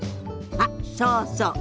あっそうそう。